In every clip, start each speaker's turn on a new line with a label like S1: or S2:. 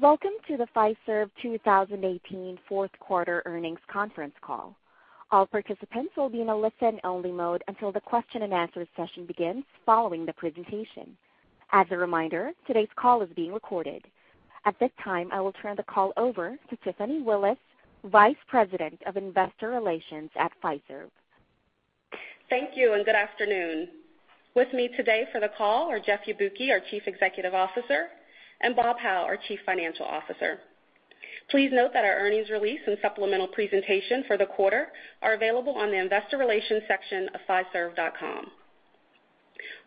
S1: Welcome to the Fiserv 2018 fourth quarter earnings Conference call. All participants will be in a listen-only mode until the question and answer session begins following the presentation. As a reminder, today's call is being recorded. At this time, I will turn the call over to Tiffany Willis, Vice President of Investor Relations at Fiserv.
S2: Thank you and good afternoon. With me today for the call are Jeff Yabuki, our Chief Executive Officer, and Bob Hau, our Chief Financial Officer. Please note that our earnings release and supplemental presentation for the quarter are available on the investor relations section of fiserv.com.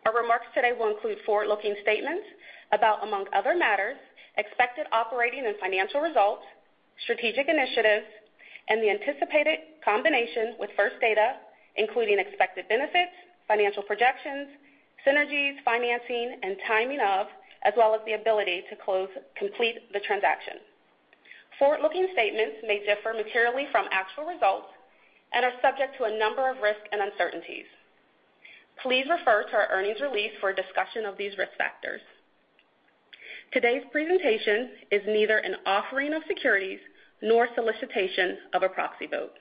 S2: Our remarks today will include forward-looking statements about, among other matters, expected operating and financial results, strategic initiatives, and the anticipated combination with First Data, including expected benefits, financial projections, synergies, financing and timing of, as well as the ability to complete the transaction. Forward-looking statements may differ materially from actual results and are subject to a number of risks and uncertainties. Please refer to our earnings release for a discussion of these risk factors. Today's presentation is neither an offering of securities nor solicitation of a proxy vote.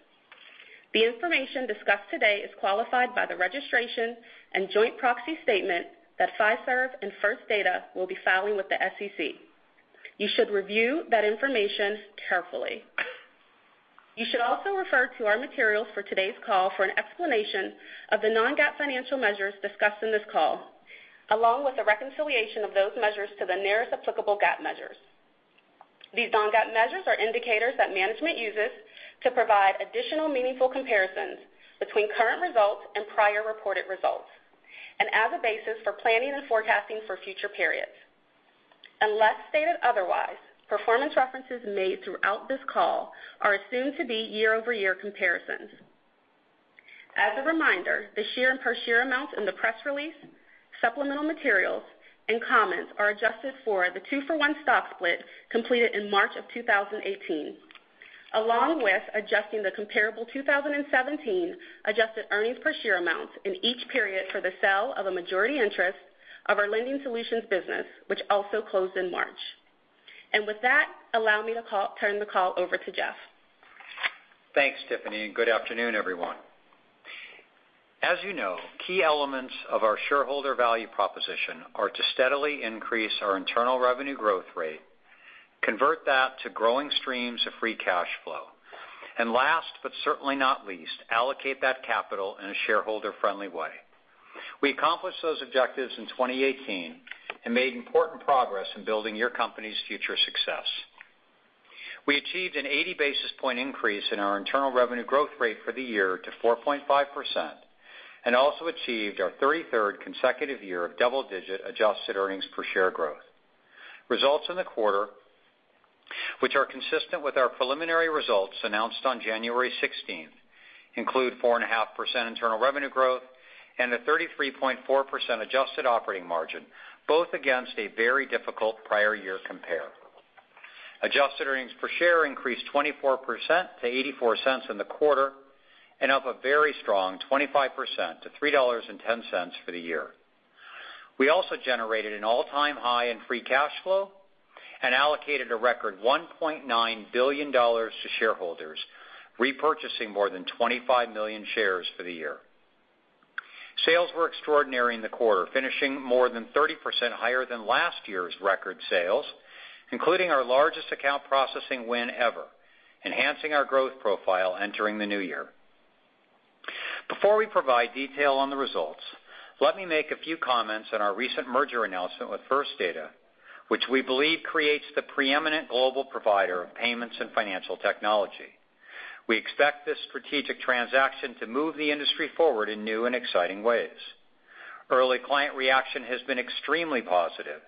S2: The information discussed today is qualified by the registration and joint proxy statement that Fiserv and First Data will be filing with the SEC. You should review that information carefully. You should also refer to our materials for today's call for an explanation of the non-GAAP financial measures discussed in this call, along with a reconciliation of those measures to the nearest applicable GAAP measures. These non-GAAP measures are indicators that management uses to provide additional meaningful comparisons between current results and prior reported results, and as a basis for planning and forecasting for future periods. Unless stated otherwise, performance references made throughout this call are assumed to be year-over-year comparisons. As a reminder, the share and per share amounts in the press release, supplemental materials, and comments are adjusted for the two-for-one stock split completed in March of 2018, along with adjusting the comparable 2017 adjusted earnings per share amounts in each period for the sale of a majority interest of our lending solutions business, which also closed in March. With that, allow me to turn the call over to Jeff.
S3: Thanks, Tiffany, and good afternoon, everyone. As you know, key elements of our shareholder value proposition are to steadily increase our internal revenue growth rate, convert that to growing streams of free cash flow, and last but certainly not least, allocate that capital in a shareholder-friendly way. We accomplished those objectives in 2018 and made important progress in building your company's future success. We achieved an 80-basis-point increase in our internal revenue growth rate for the year to 4.5% and also achieved our 33rd consecutive year of double-digit adjusted earnings per share growth. Results in the quarter, which are consistent with our preliminary results announced on January 16th, include 4.5% internal revenue growth and a 33.4% adjusted operating margin, both against a very difficult prior year compare. Adjusted earnings per share increased 24% to $0.84 in the quarter, and up a very strong 25% to $3.10 for the year. We also generated an all-time high in free cash flow and allocated a record $1.9 billion to shareholders, repurchasing more than 25 million shares for the year. Sales were extraordinary in the quarter, finishing more than 30% higher than last year's record sales, including our largest account processing win ever, enhancing our growth profile entering the new year. Before we provide detail on the results, let me make a few comments on our recent merger announcement with First Data, which we believe creates the preeminent global provider of payments and financial technology. We expect this strategic transaction to move the industry forward in new and exciting ways. Early client reaction has been extremely positive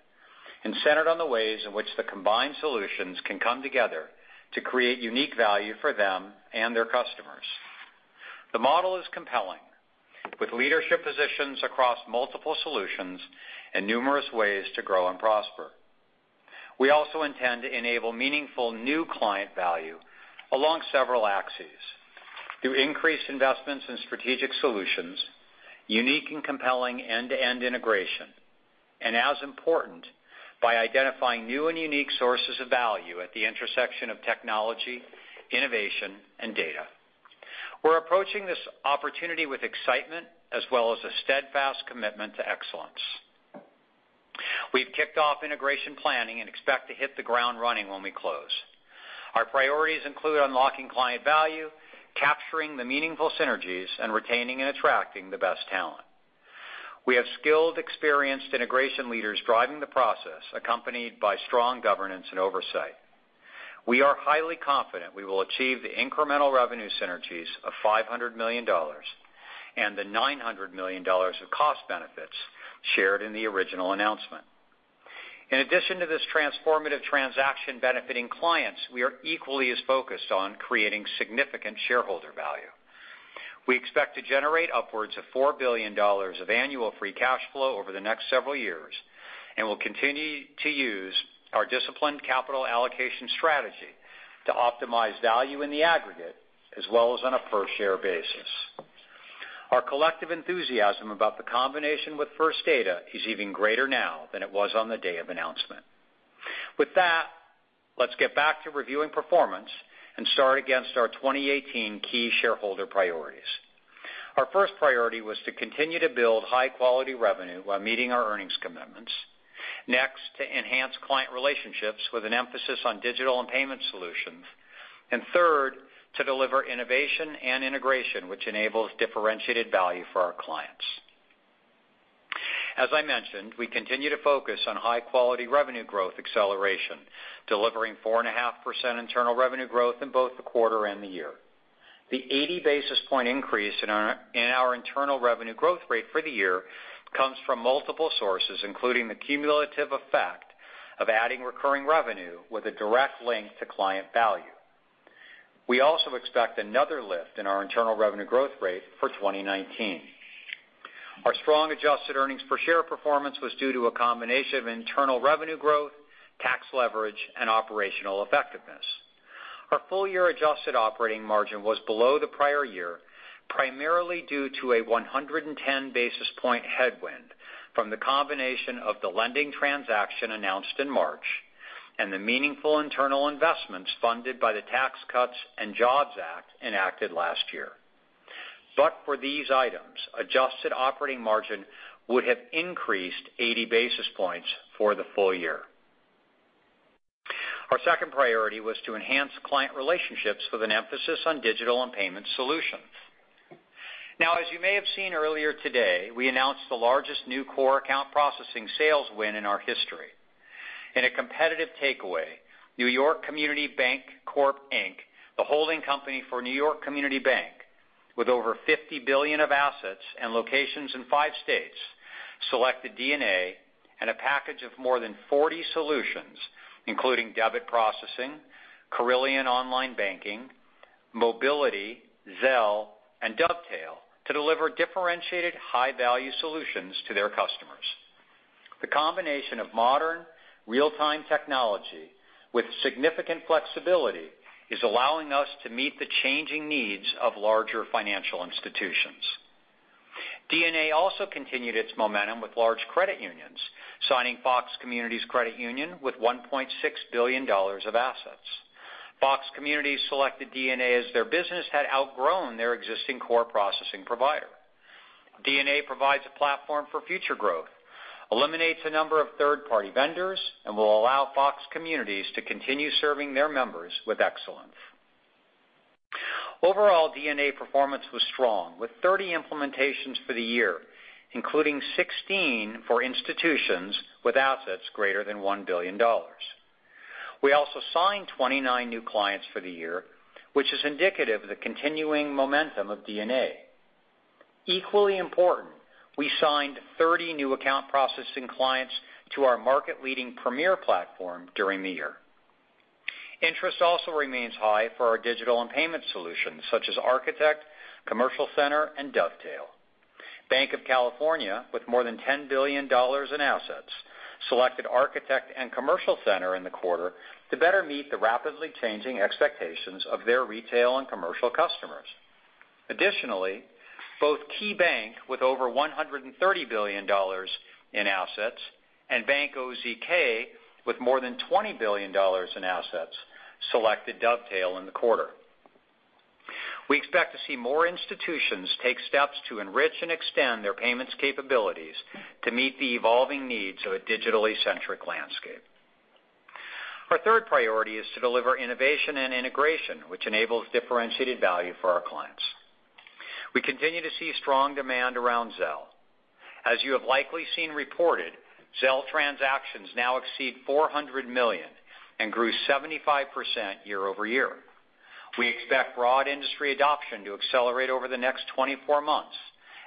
S3: and centered on the ways in which the combined solutions can come together to create unique value for them and their customers. The model is compelling, with leadership positions across multiple solutions and numerous ways to grow and prosper. We also intend to enable meaningful new client value along several axes through increased investments in strategic solutions, unique and compelling end-to-end integration, and as important, by identifying new and unique sources of value at the intersection of technology, innovation, and data. We're approaching this opportunity with excitement as well as a steadfast commitment to excellence. We've kicked off integration planning and expect to hit the ground running when we close. Our priorities include unlocking client value, capturing the meaningful synergies, and retaining and attracting the best talent. We have skilled, experienced integration leaders driving the process, accompanied by strong governance and oversight. We are highly confident we will achieve the incremental revenue synergies of $500 million and the $900 million of cost benefits shared in the original announcement. In addition to this transformative transaction benefiting clients, we are equally as focused on creating significant shareholder value. We expect to generate upwards of $4 billion of annual free cash flow over the next several years and will continue to use our disciplined capital allocation strategy to optimize value in the aggregate as well as on a per-share basis. Our collective enthusiasm about the combination with First Data is even greater now than it was on the day of announcement. With that, let's get back to reviewing performance and start against our 2018 key shareholder priorities. Our first priority was to continue to build high-quality revenue while meeting our earnings commitments. Next, to enhance client relationships with an emphasis on digital and payment solutions. Third, to deliver innovation and integration, which enables differentiated value for our clients. As I mentioned, we continue to focus on high-quality revenue growth acceleration, delivering 4.5% internal revenue growth in both the quarter and the year. The 80 basis point increase in our internal revenue growth rate for the year comes from multiple sources, including the cumulative effect of adding recurring revenue with a direct link to client value. We also expect another lift in our internal revenue growth rate for 2019. Our strong adjusted earnings per share performance was due to a combination of internal revenue growth, tax leverage, and operational effectiveness. Our full-year adjusted operating margin was below the prior year, primarily due to a 110 basis point headwind from the combination of the lending transaction announced in March and the meaningful internal investments funded by the Tax Cuts and Jobs Act enacted last year. For these items, adjusted operating margin would have increased 80 basis points for the full year. Our second priority was to enhance client relationships with an emphasis on digital and payment solutions. As you may have seen earlier today, we announced the largest new core account processing sales win in our history. In a competitive takeaway, New York Community Bancorp, Inc., the holding company for New York Community Bank, with over $50 billion of assets and locations in five states, selected DNA and a package of more than 40 solutions, including debit processing, Corillian online banking, mobility, Zelle, and Dovetail, to deliver differentiated high-value solutions to their customers. The combination of modern real-time technology with significant flexibility is allowing us to meet the changing needs of larger financial institutions. DNA also continued its momentum with large credit unions, signing Fox Communities Credit Union with $1.6 billion of assets. Fox Communities selected DNA as their business had outgrown their existing core processing provider. DNA provides a platform for future growth, eliminates a number of third-party vendors, and will allow Fox Communities to continue serving their members with excellence. Overall, DNA performance was strong, with 30 implementations for the year, including 16 for institutions with assets greater than $1 billion. We also signed 29 new clients for the year, which is indicative of the continuing momentum of DNA. Equally important, we signed 30 new account processing clients to our market-leading premier platform during the year. Interest also remains high for our digital and payment solutions, such as Architect, Commercial Center, and Dovetail. Banc of California, with more than $10 billion in assets, selected Architect and Commercial Center in the quarter to better meet the rapidly changing expectations of their retail and commercial customers. Additionally, both KeyBank, with over $130 billion in assets, and Bank OZK, with more than $20 billion in assets, selected Dovetail in the quarter. We expect to see more institutions take steps to enrich and extend their payments capabilities to meet the evolving needs of a digitally centric landscape. Our third priority is to deliver innovation and integration, which enables differentiated value for our clients. We continue to see strong demand around Zelle. As you have likely seen reported, Zelle transactions now exceed $400 million and grew 75% year-over-year. We expect broad industry adoption to accelerate over the next 24 months,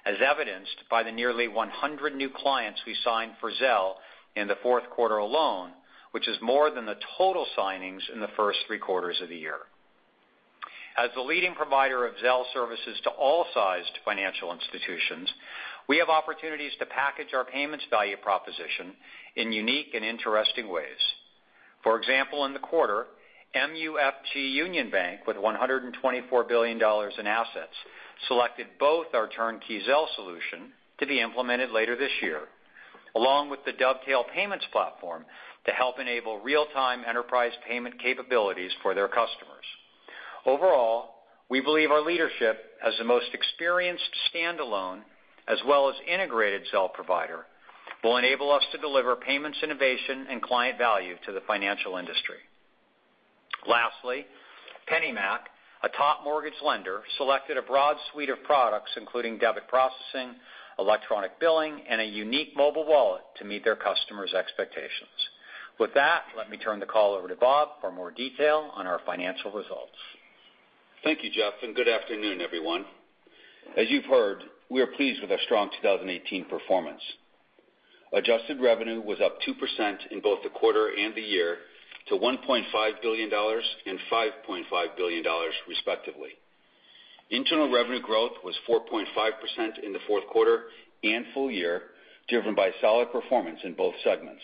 S3: as evidenced by the nearly 100 new clients we signed for Zelle in the fourth quarter alone, which is more than the total signings in the first three quarters of the year. As the leading provider of Zelle services to all sized financial institutions, we have opportunities to package our payments value proposition in unique and interesting ways. For example, in the quarter, MUFG Union Bank, with $124 billion in assets, selected both our turnkey Zelle solution to be implemented later this year, along with the Dovetail payments platform, to help enable real-time enterprise payment capabilities for their customers. Overall, we believe our leadership as the most experienced standalone as well as integrated Zelle provider, will enable us to deliver payments innovation and client value to the financial industry. Lastly, PennyMac, a top mortgage lender, selected a broad suite of products including debit processing, electronic billing, and a unique mobile wallet to meet their customers' expectations. With that, let me turn the call over to Bob for more detail on our financial results.
S4: Thank you, Jeff, and good afternoon, everyone. As you've heard, we are pleased with our strong 2018 performance. Adjusted revenue was up 2% in both the quarter and the year to $1.5 billion and $5.5 billion, respectively. Internal revenue growth was 4.5% in the fourth quarter and full year, driven by solid performance in both segments.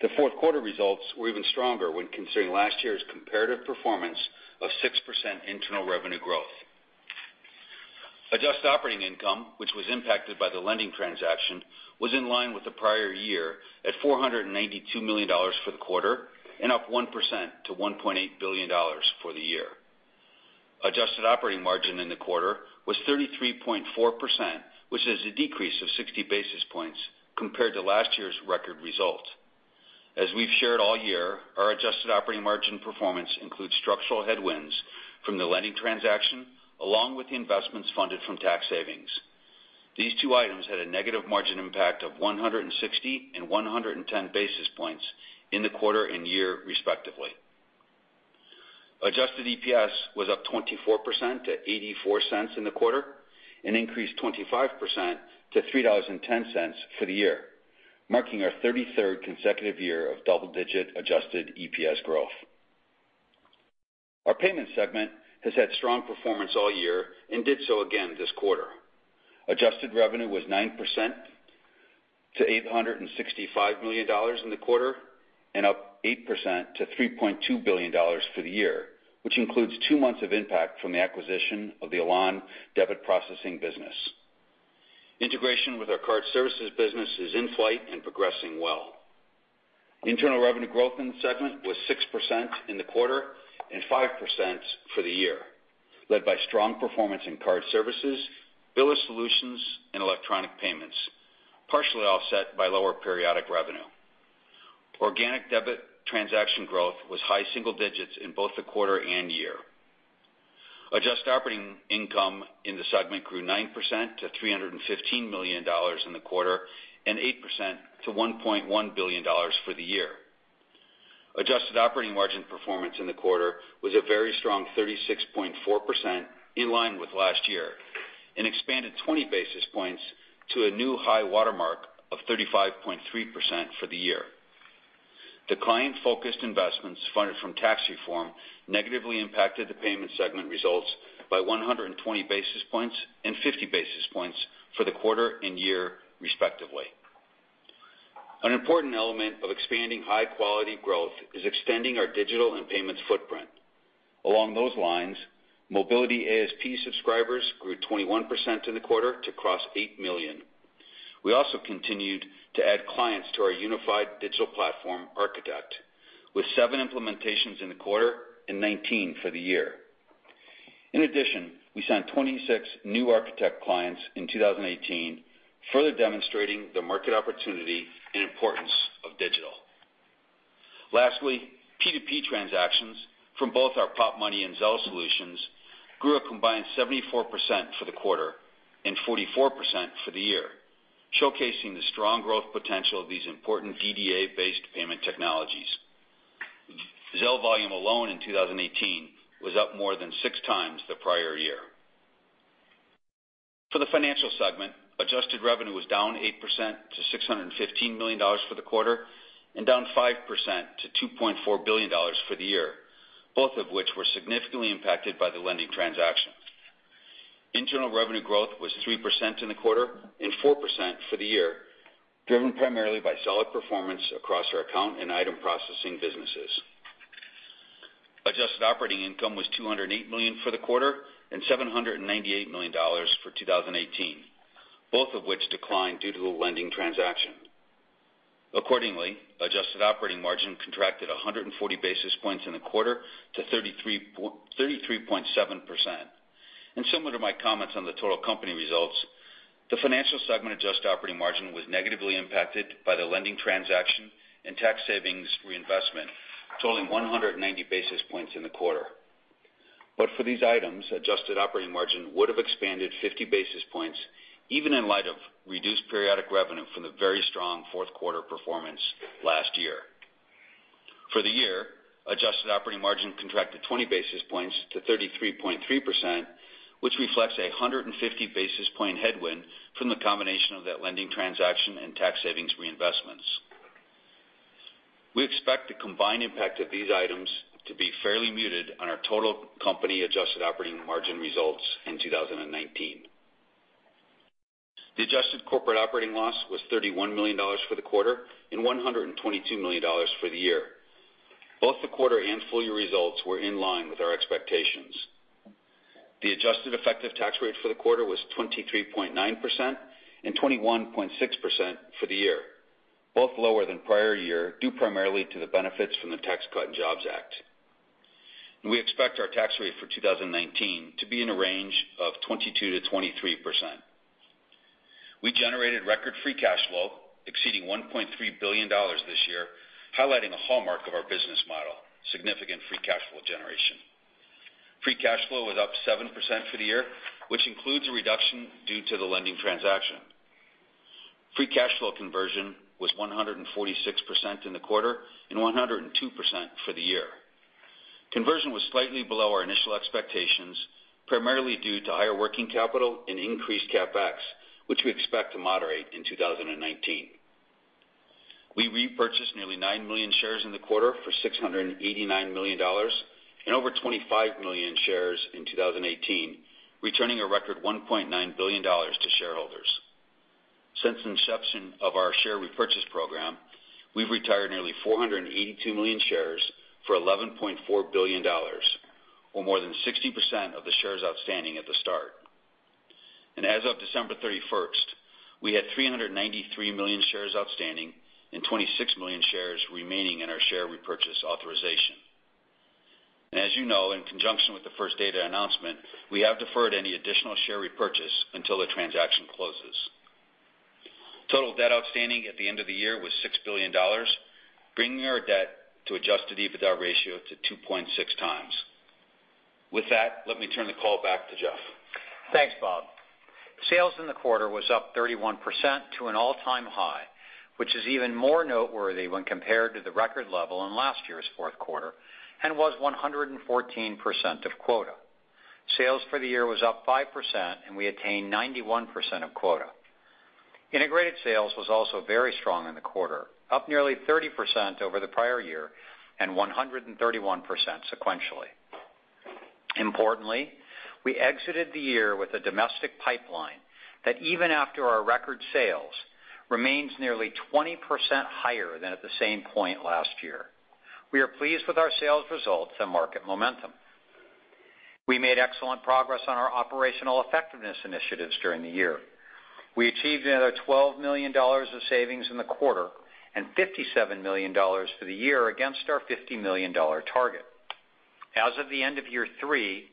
S4: The fourth quarter results were even stronger when considering last year's comparative performance of 6% internal revenue growth. Adjusted operating income, which was impacted by the lending transaction, was in line with the prior year at $492 million for the quarter and up 1% to $1.8 billion for the year. Adjusted operating margin in the quarter was 33.4%, which is a decrease of 60 basis points compared to last year's record result. As we've shared all year, our adjusted operating margin performance includes structural headwinds from the lending transaction, along with the investments funded from tax savings. These two items had a negative margin impact of 160 and 110 basis points in the quarter and year respectively. Adjusted EPS was up 24% to $0.84 in the quarter and increased 25% to $3.10 for the year, marking our 33rd consecutive year of double-digit adjusted EPS growth. Our payment segment has had strong performance all year and did so again this quarter. Adjusted revenue was 9% to $865 million in the quarter, and up 8% to $3.2 billion for the year, which includes two months of impact from the acquisition of the Elan debit processing business. Integration with our card services business is in flight and progressing well. Internal revenue growth in the segment was 6% in the quarter and 5% for the year, led by strong performance in card services, biller solutions, and electronic payments, partially offset by lower periodic revenue. Organic debit transaction growth was high single digits in both the quarter and year. Adjusted operating income in the segment grew 9% to $315 million in the quarter, and 8% to $1.1 billion for the year. Adjusted operating margin performance in the quarter was a very strong 36.4%, in line with last year, and expanded 20 basis points to a new high watermark of 35.3% for the year. The client-focused investments funded from tax reform negatively impacted the payment segment results by 120 basis points and 50 basis points for the quarter and year respectively. An important element of expanding high-quality growth is extending our digital and payments footprint. Along those lines, mobility ASP subscribers grew 21% in the quarter to cross eight million. We also continued to add clients to our unified digital platform, Architect, with seven implementations in the quarter and 19 for the year. In addition, we signed 26 new Architect clients in 2018, further demonstrating the market opportunity and importance of digital. Lastly, P2P transactions from both our Popmoney and Zelle solutions grew a combined 74% for the quarter and 44% for the year, showcasing the strong growth potential of these important DDA-based payment technologies. Zelle volume alone in 2018 was up more than six times the prior year. For the financial segment, adjusted revenue was down 8% to $615 million for the quarter, and down 5% to $2.4 billion for the year, both of which were significantly impacted by the lending transaction. Internal revenue growth was 3% in the quarter and 4% for the year, driven primarily by solid performance across our account and item processing businesses. Adjusted operating income was $208 million for the quarter and $798 million for 2018, both of which declined due to a lending transaction. Accordingly, adjusted operating margin contracted 140 basis points in the quarter to 33.7%. Similar to my comments on the total company results, the financial segment adjusted operating margin was negatively impacted by the lending transaction and tax savings reinvestment totaling 190 basis points in the quarter. For these items, adjusted operating margin would have expanded 50 basis points even in light of reduced periodic revenue from the very strong fourth quarter performance last year. For the year, adjusted operating margin contracted 20 basis points to 33.3%, which reflects 150 basis point headwind from the combination of that lending transaction and tax savings reinvestments. We expect the combined impact of these items to be fairly muted on our total company adjusted operating margin results in 2019. The adjusted corporate operating loss was $31 million for the quarter and $122 million for the year. Both the quarter and full-year results were in line with our expectations. The adjusted effective tax rate for the quarter was 23.9% and 21.6% for the year. Both lower than prior year, due primarily to the benefits from the Tax Cuts and Jobs Act. We expect our tax rate for 2019 to be in a range of 22%-23%. We generated record free cash flow exceeding $1.3 billion this year, highlighting a hallmark of our business model, significant free cash flow generation. Free cash flow was up 7% for the year, which includes a reduction due to the lending transaction. Free cash flow conversion was 146% in the quarter and 102% for the year. Conversion was slightly below our initial expectations, primarily due to higher working capital and increased CapEx, which we expect to moderate in 2019. We repurchased nearly 9 million shares in the quarter for $689 million. Over 25 million shares in 2018, returning a record $1.9 billion to shareholders. Since inception of our share repurchase program, we've retired nearly 482 million shares for $11.4 billion or more than 60% of the shares outstanding at the start. As of December 31st, we had 393 million shares outstanding and 26 million shares remaining in our share repurchase authorization. As you know, in conjunction with the First Data announcement, we have deferred any additional share repurchase until the transaction closes. Total debt outstanding at the end of the year was $6 billion, bringing our debt to adjusted EBITDA ratio to 2.6x. With that, let me turn the call back to Jeff.
S3: Thanks, Bob. Sales in the quarter was up 31% to an all-time high, which is even more noteworthy when compared to the record level in last year's fourth quarter and was 114% of quota. Sales for the year was up 5%, and we attained 91% of quota. Integrated sales was also very strong in the quarter, up nearly 30% over the prior year and 131% sequentially. Importantly, we exited the year with a domestic pipeline that even after our record sales, remains nearly 20% higher than at the same point last year. We are pleased with our sales results and market momentum. We made excellent progress on our operational effectiveness initiatives during the year. We achieved another $12 million of savings in the quarter and $57 million for the year against our $50 million target. As of the end of year three,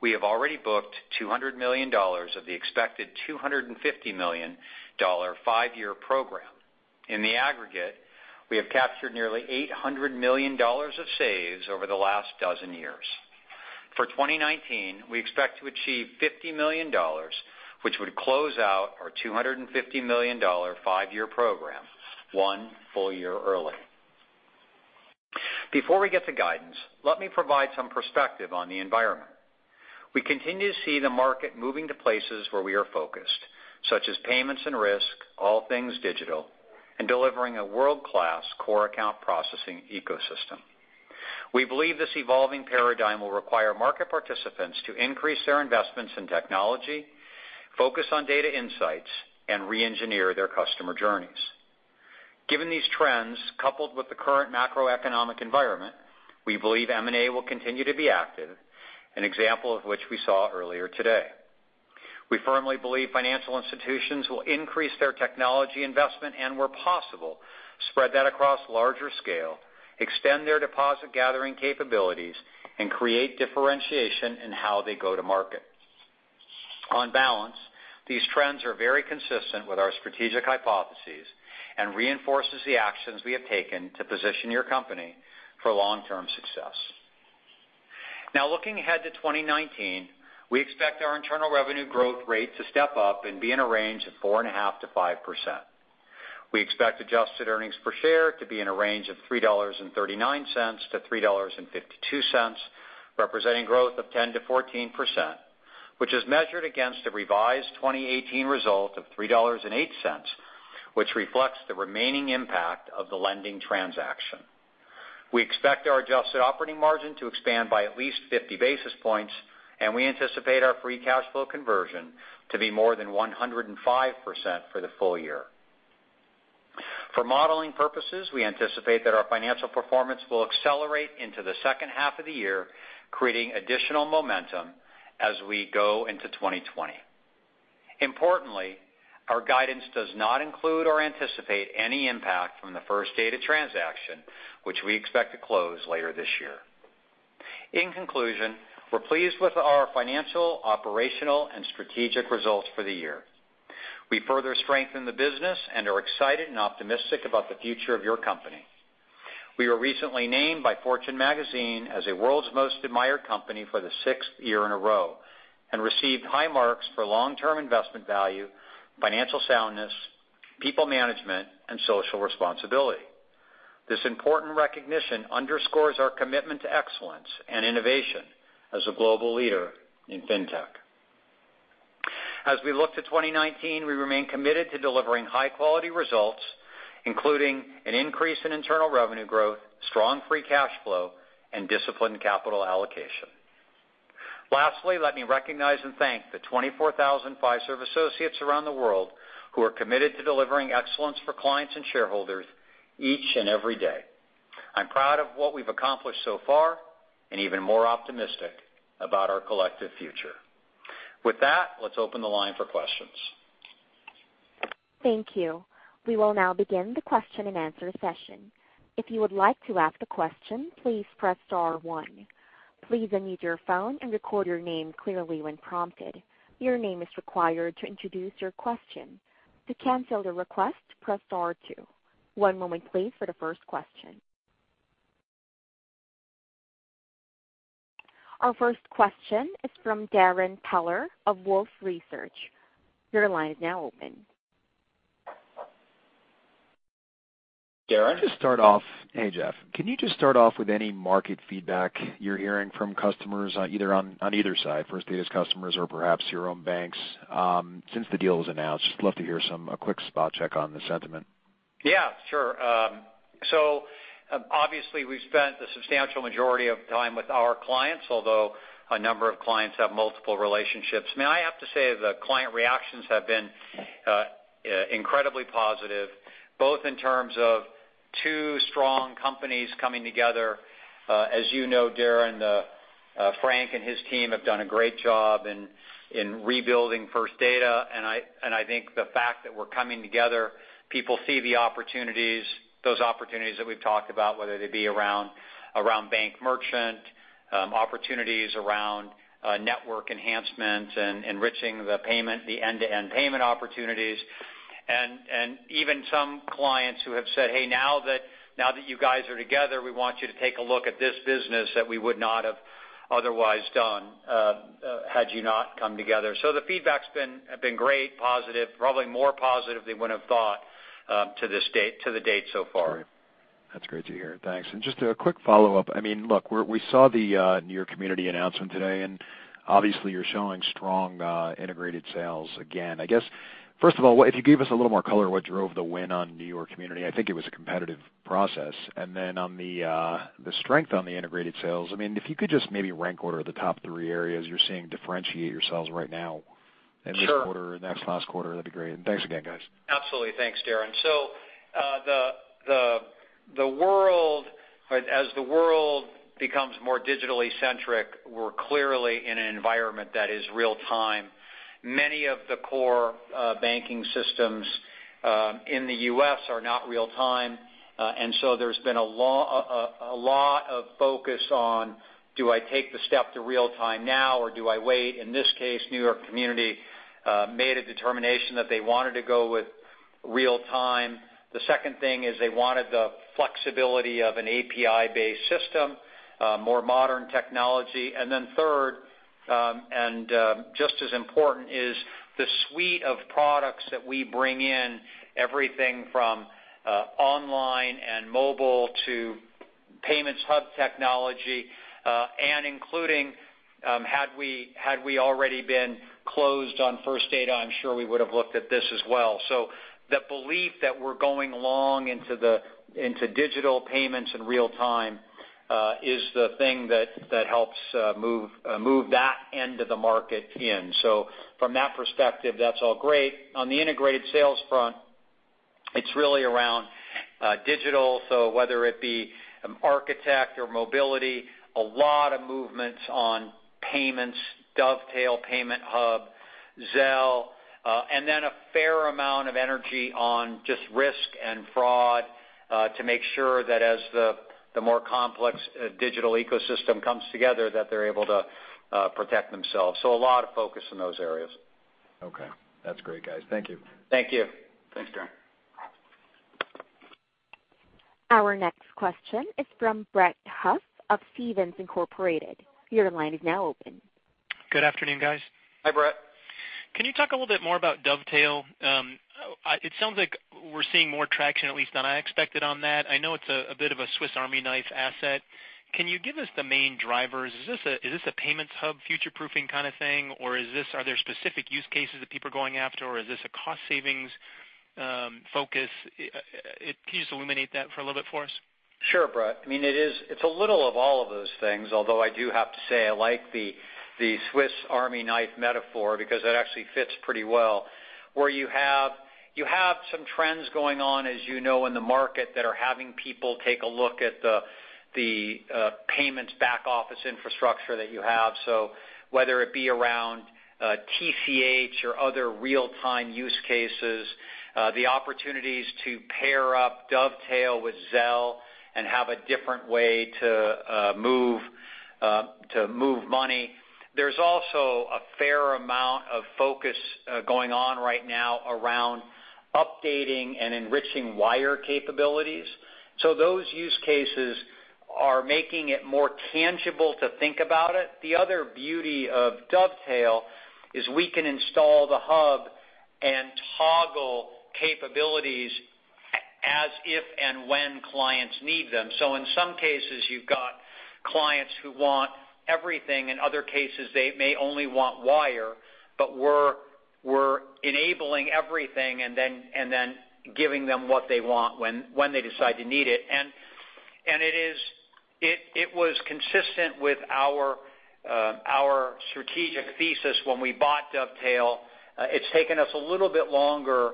S3: we have already booked $200 million of the expected $250 million five-year program. In the aggregate, we have captured nearly $800 million of saves over the last dozen years. For 2019, we expect to achieve $50 million, which would close out our $250 million five-year program one full year early. Before we get to guidance, let me provide some perspective on the environment. We continue to see the market moving to places where we are focused, such as payments and risk, all things digital, and delivering a world-class core account processing ecosystem. We believe this evolving paradigm will require market participants to increase their investments in technology, focus on data insights, and reengineer their customer journeys. Given these trends, coupled with the current macroeconomic environment, we believe M&A will continue to be active, an example of which we saw earlier today We firmly believe financial institutions will increase their technology investment and where possible, spread that across larger scale, extend their deposit gathering capabilities, and create differentiation in how they go to market. On balance, these trends are very consistent with our strategic hypotheses and reinforces the actions we have taken to position your company for long-term success. Looking ahead to 2019, we expect our internal revenue growth rate to step up and be in a range of 4.5%-5%. We expect adjusted earnings per share to be in a range of $3.39-$3.52, representing growth of 10%-14%, which is measured against a revised 2018 result of $3.08, which reflects the remaining impact of the lending transaction. We expect our adjusted operating margin to expand by at least 50 basis points. We anticipate our free cash flow conversion to be more than 105% for the full year. For modeling purposes, we anticipate that our financial performance will accelerate into the second half of the year, creating additional momentum as we go into 2020. Importantly, our guidance does not include or anticipate any impact from the First Data transaction, which we expect to close later this year. In conclusion, we're pleased with our financial, operational, and strategic results for the year. We further strengthen the business and are excited and optimistic about the future of your company. We were recently named by Fortune Magazine as a world's most admired company for the sixth year in a row and received high marks for long-term investment value, financial soundness, people management, and social responsibility. This important recognition underscores our commitment to excellence and innovation as a global leader in fintech. As we look to 2019, we remain committed to delivering high-quality results, including an increase in internal revenue growth, strong free cash flow, and disciplined capital allocation. Lastly, let me recognize and thank the 24,000 Fiserv associates around the world who are committed to delivering excellence for clients and shareholders each and every day. I'm proud of what we've accomplished so far and even more optimistic about our collective future. With that, let's open the line for questions.
S1: Thank you. We will now begin the question and answer session. If you would like to ask a question, please press star one. Please unmute your phone and record your name clearly when prompted. Your name is required to introduce your question. To cancel the request, press star two. One moment please for the first question. Our first question is from Darrin Peller of Wolfe Research. Your line is now open.
S3: Darren?
S5: Hey, Jeff. Just start off with any market feedback you're hearing from customers on either side, First Data's customers or perhaps your own banks since the deal was announced? Just love to hear a quick spot check on the sentiment.
S3: Yeah, sure. Obviously we've spent the substantial majority of time with our clients, although a number of clients have multiple relationships. I have to say the client reactions have been incredibly positive, both in terms of two strong companies coming together. As you know, Darrin, Frank and his team have done a great job in rebuilding First Data. I think the fact that we're coming together, people see the opportunities, those opportunities that we've talked about, whether they be around bank merchant, opportunities around network enhancement and enriching the end-to-end payment opportunities. Even some clients who have said, "Hey, now that you guys are together, we want you to take a look at this business that we would not have otherwise done had you not come together." The feedback's been great, positive, probably more positive than would've thought to the date so far.
S5: Great. That's great to hear. Thanks. Just a quick follow-up. Look, we saw the New York Community Bank announcement today, obviously you're showing strong integrated sales again. I guess, first of all, if you could give us a little more color on what drove the win on New York Community Bank, I think it was a competitive process. Then on the strength on the integrated sales, if you could just maybe rank order the top three areas you're seeing differentiate yourselves right now. Sure In this quarter and last quarter, that would be great. Thanks again, guys.
S3: Absolutely. Thanks, Darrin. As the world becomes more digitally centric, we're clearly in an environment that is real time. Many of the core banking systems in the U.S. are not real time. There's been a lot of focus on do I take the step to real time now or do I wait? In this case, New York Community made a determination that they wanted to go with real time. The second thing is they wanted the flexibility of an API-based system, more modern technology. Then third, and just as important, is the suite of products that we bring in, everything from online and mobile to payments hub technology, and including had we already been closed on First Data, I'm sure we would've looked at this as well. The belief that we're going long into digital payments and real time is the thing that helps move that end of the market in. From that perspective, that's all great. On the integrated sales front, it's really around digital. Whether it be Architect or mobility, a lot of movements on payments, Dovetail, payment hub, Zelle, and then a fair amount of energy on just risk and fraud to make sure that as the more complex digital ecosystem comes together, that they're able to protect themselves. A lot of focus in those areas.
S5: Okay. That's great, guys. Thank you.
S3: Thank you.
S2: Thanks, Darrin.
S1: Our next question is from Brett Huff of Stephens Inc. Your line is now open.
S6: Good afternoon, guys.
S3: Hi, Brett.
S6: Can you talk a little bit more about Dovetail? It sounds like we're seeing more traction, at least than I expected on that. I know it's a bit of a Swiss Army knife asset. Can you give us the main drivers? Is this a payments hub future-proofing kind of thing, or are there specific use cases that people are going after, or is this a cost savings focus? Can you just illuminate that for a little bit for us?
S3: Sure, Brett. It's a little of all of those things, although I do have to say I like the Swiss Army knife metaphor because that actually fits pretty well, where you have some trends going on as you know in the market that are having people take a look at the payments back office infrastructure that you have. Whether it be around TCH or other real time use cases, the opportunities to pair up Dovetail with Zelle and have a different way to move money. There's also a fair amount of focus going on right now around updating and enriching wire capabilities. Those use cases are making it more tangible to think about it. The other beauty of Dovetail is we can install the hub and toggle capabilities as if and when clients need them. In some cases, you've got clients who want everything. In other cases, they may only want wire, but we're enabling everything and then giving them what they want when they decide to need it. It was consistent with our strategic thesis when we bought Dovetail. It's taken us a little bit longer.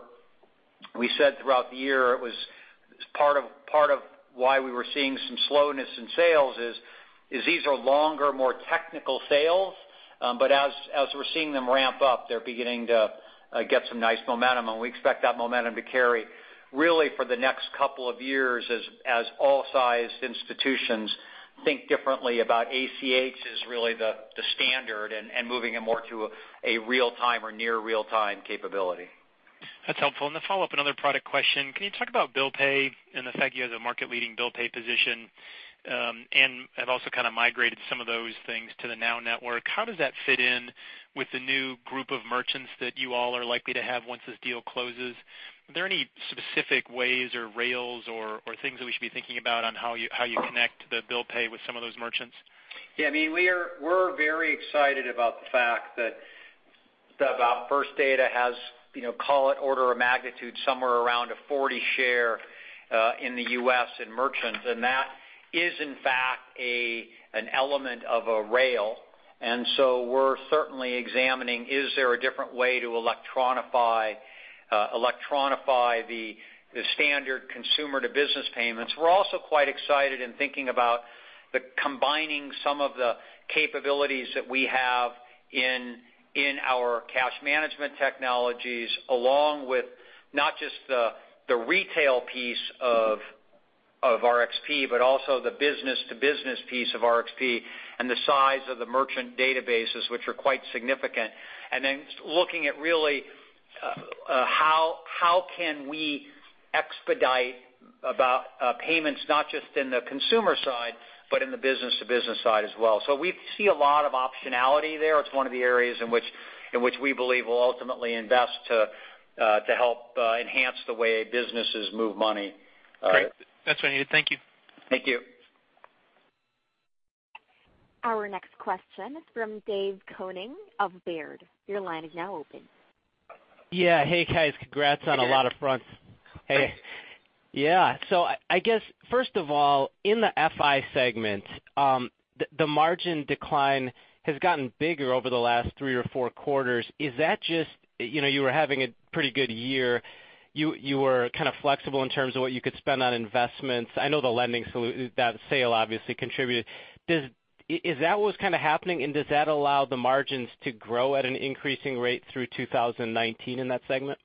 S3: We said throughout the year it was part of why we were seeing some slowness in sales is these are longer, more technical sales. As we're seeing them ramp up, they're beginning to get some nice momentum, and we expect that momentum to carry really for the next couple of years as all sized institutions think differently about ACH as really the standard and moving it more to a real time or near real time capability.
S6: That's helpful. To follow up another product question, can you talk about Bill Pay and the fact you have the market leading Bill Pay position, and have also migrated some of those things to the NOW Network. How does that fit in with the new group of merchants that you all are likely to have once this deal closes? Are there any specific ways or rails or things that we should be thinking about on how you connect the Bill Pay with some of those merchants?
S3: Yeah. We're very excited about the fact that First Data has, call it order of magnitude, somewhere around a 40% share in the U.S. in merchants. That is in fact an element of a rail. We're certainly examining, is there a different way to electronify the standard consumer-to-business payments? We're also quite excited in thinking about combining some of the capabilities that we have in our cash management technologies, along with not just the retail piece of our XP2, but also the business-to-business piece of our XP2 and the size of the merchant databases, which are quite significant. Looking at really how can we expedite payments, not just in the consumer side, but in the business-to-business side as well. We see a lot of optionality there. It's one of the areas in which we believe we'll ultimately invest to help enhance the way businesses move money.
S6: Great. That's what I needed. Thank you.
S3: Thank you.
S1: Our next question is from David Koning of Baird. Your line is now open.
S7: Yeah. Hey, guys. Congrats on a lot of fronts. Hey. Yeah. I guess first of all, in the FI segment, the margin decline has gotten bigger over the last three or four quarters. You were having a pretty good year. You were kind of flexible in terms of what you could spend on investments. I know the lending solution, that sale obviously contributed. Is that what was kind of happening and does that allow the margins to grow at an increasing rate through 2019 in that segment?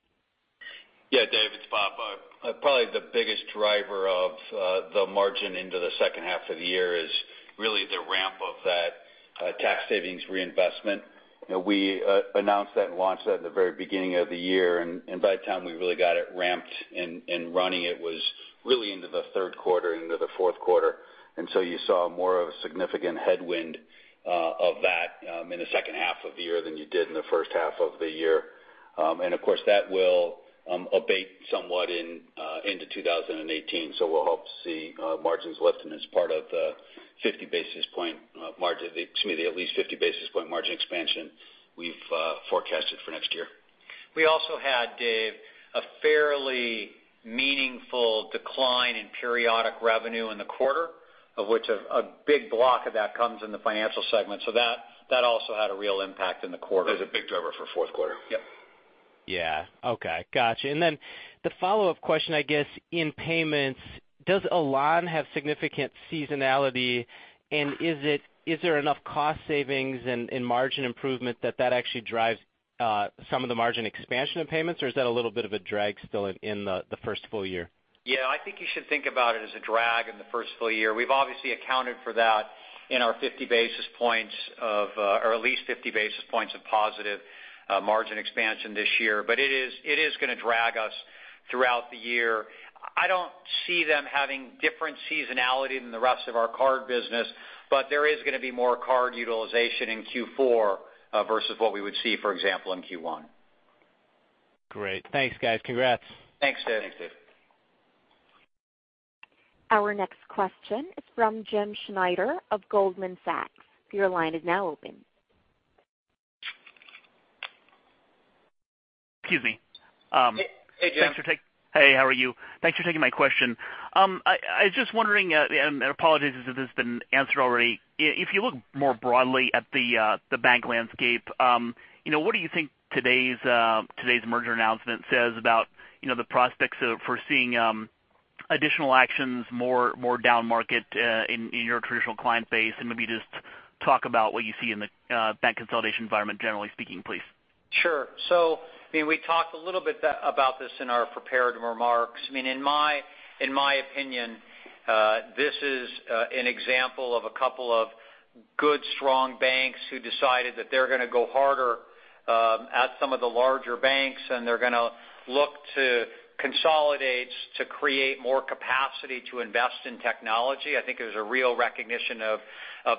S3: Yeah, Dave, it's Bob. Probably the biggest driver of the margin into the second half of the year is really the ramp of that tax savings reinvestment. We announced that and launched that at the very beginning of the year, and by the time we really got it ramped and running, it was really into the third quarter, into the fourth quarter. You saw more of a significant headwind of that in the second half of the year than you did in the first half of the year. Of course, that will abate somewhat into 2018. We'll hope to see margins lifting as part of the at least 50 basis point margin expansion we've forecasted for next year. We also had, Dave, a fairly meaningful decline in periodic revenue in the quarter, of which a big block of that comes in the Financial segment. That also had a real impact in the quarter.
S7: It was a big driver for fourth quarter.
S3: Yep.
S7: Yeah. Okay, got you. Then the follow-up question, I guess, in payments, does Elan have significant seasonality and is there enough cost savings and margin improvement that that actually drives some of the margin expansion of payments or is that a little bit of a drag still in the first full year?
S3: Yeah, I think you should think about it as a drag in the first full year. We've obviously accounted for that in our 50 basis points of, or at least 50 basis points of positive margin expansion this year. It is going to drag us throughout the year. I don't see them having different seasonality than the rest of our card business, but there is going to be more card utilization in Q4 versus what we would see, for example, in Q1.
S7: Great. Thanks, guys. Congrats.
S1: Thanks, Dave. Our next question is from James Schneider of Goldman Sachs. Your line is now open.
S8: Excuse me.
S3: Hey, Jim.
S8: Hey, how are you? Thanks for taking my question. I was just wondering, apologies if this has been answered already. If you look more broadly at the bank landscape, what do you think today's merger announcement says about the prospects for seeing additional actions more down market in your traditional client base? Maybe just talk about what you see in the bank consolidation environment, generally speaking, please.
S3: Sure. We talked a little bit about this in our prepared remarks. In my opinion, this is an example of a couple of good, strong banks who decided that they're going to go harder at some of the larger banks, and they're going to look to consolidate to create more capacity to invest in technology. I think there's a real recognition of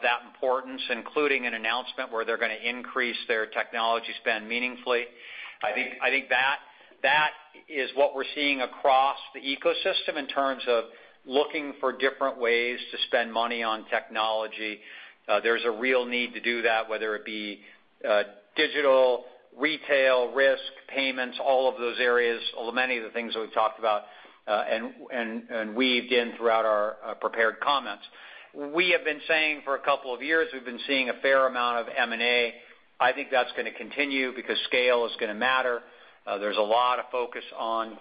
S3: that importance, including an announcement where they're going to increase their technology spend meaningfully. I think that is what we're seeing across the ecosystem in terms of looking for different ways to spend money on technology. There's a real need to do that, whether it be digital, retail, risk, payments, all of those areas, or many of the things that we've talked about and weaved in throughout our prepared comments. We have been saying for a couple of years, we've been seeing a fair amount of M&A. I think that's going to continue because scale is going to matter. There's a lot of focus on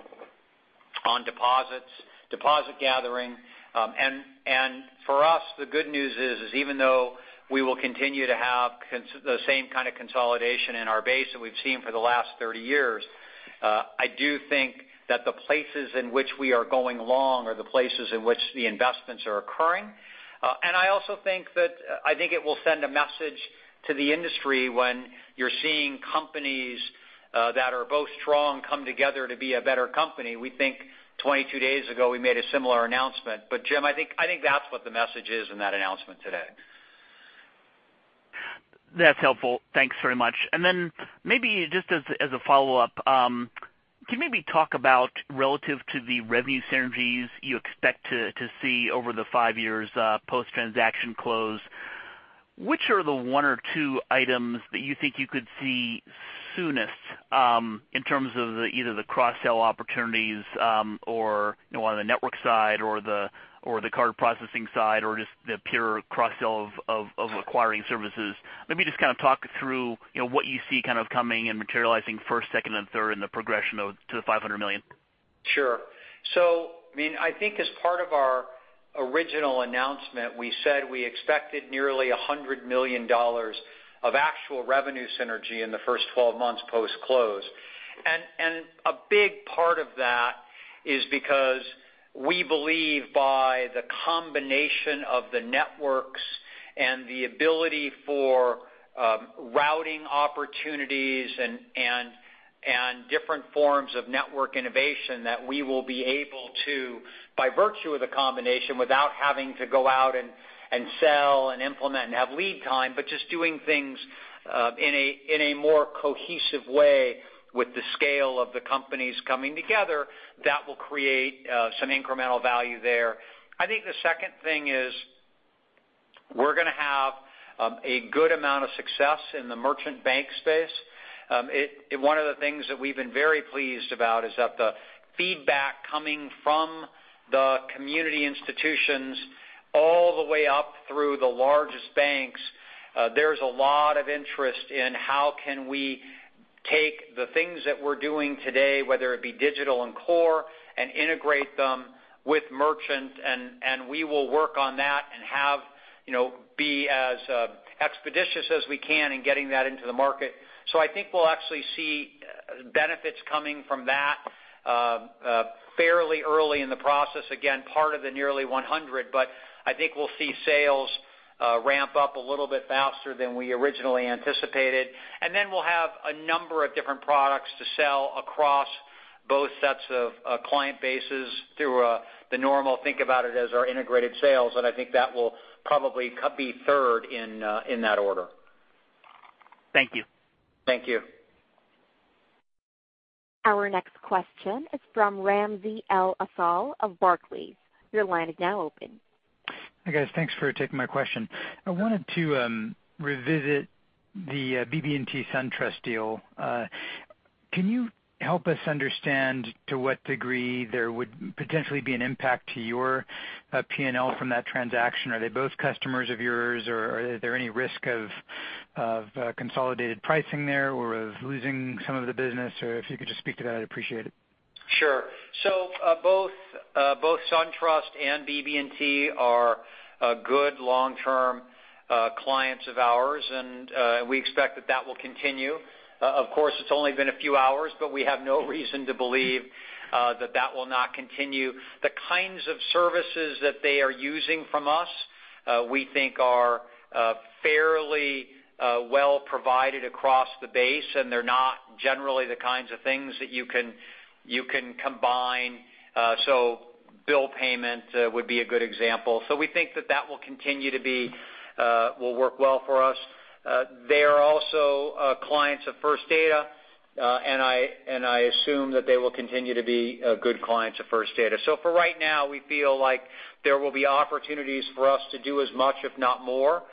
S3: deposits, deposit gathering. For us, the good news is, even though we will continue to have the same kind of consolidation in our base that we've seen for the last 30 years, I do think that the places in which we are going along are the places in which the investments are occurring. I also think it will send a message to the industry when you're seeing companies that are both strong come together to be a better company. We think 22 days ago, we made a similar announcement. Jim, I think that's what the message is in that announcement today.
S8: That's helpful. Thanks very much. Then maybe just as a follow-up. Can you maybe talk about relative to the revenue synergies you expect to see over the five years post-transaction close, which are the one or two items that you think you could see soonest in terms of either the cross-sell opportunities or on the network side or the card processing side or just the pure cross-sell of acquiring services? Maybe just talk through what you see coming and materializing first, second, and third in the progression to the $500 million.
S3: Sure. I think as part of our original announcement, we said we expected nearly $100 million of actual revenue synergy in the first 12 months post-close. A big part of that is because we believe by the combination of the networks and the ability for routing opportunities and different forms of network innovation that we will be able to, by virtue of the combination, without having to go out and sell and implement and have lead time, but just doing things in a more cohesive way with the scale of the companies coming together, that will create some incremental value there. I think the second thing is we're going to have a good amount of success in the merchant bank space. One of the things that we've been very pleased about is that the feedback coming from the community institutions all the way up through the largest banks, there's a lot of interest in how can we take the things that we're doing today, whether it be digital and core, and integrate them with merchant, and we will work on that and be as expeditious as we can in getting that into the market. I think we'll actually see benefits coming from that fairly early in the process. Again, part of the nearly $100, but I think we'll see sales ramp up a little bit faster than we originally anticipated. We'll have a number of different products to sell across both sets of client bases through the normal, think about it as our integrated sales, and I think that will probably be third in that order.
S8: Thank you.
S3: Thank you.
S1: Our next question is from Ramsey El-Assal of Barclays. Your line is now open.
S9: Hi, guys. Thanks for taking my question. I wanted to revisit the BB&T SunTrust deal. Can you help us understand to what degree there would potentially be an impact to your P&L from that transaction? Are they both customers of yours, or are there any risk of consolidated pricing there or of losing some of the business? If you could just speak to that, I'd appreciate it.
S3: Sure. Both SunTrust and BB&T are good long-term clients of ours, and we expect that that will continue. Of course, it's only been a few hours, but we have no reason to believe that that will not continue. The kinds of services that they are using from us, we think are fairly well provided across the base, and they're not generally the kinds of things that you can combine. Bill payment would be a good example. We think that will continue to work well for us. They are also clients of First Data, and I assume that they will continue to be good clients of First Data. For right now, we feel like there will be opportunities for us to do as much, if not more,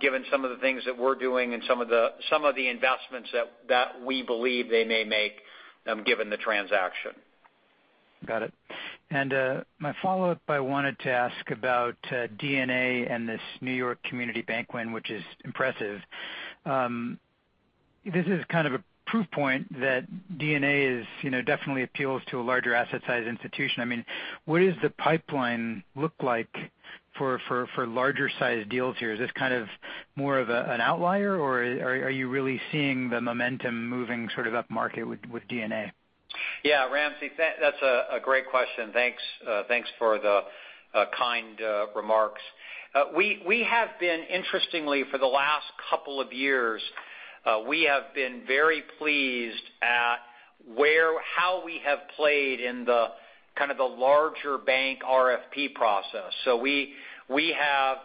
S3: given some of the things that we're doing and some of the investments that we believe they may make given the transaction.
S9: Got it. My follow-up, I wanted to ask about DNA and this New York Community Bank win, which is impressive. This is kind of a proof point that DNA definitely appeals to a larger asset size institution. What does the pipeline look like for larger sized deals here? Is this more of an outlier, or are you really seeing the momentum moving upmarket with DNA?
S3: Yeah, Ramsey, that's a great question. Thanks for the kind remarks. Interestingly, for the last couple of years, we have been very pleased at how we have played in the larger bank RFP process. We have